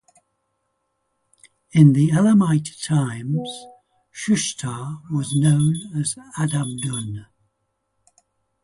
In the Elamite times Shushtar was known as "Adamdun".